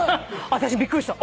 私びっくりした。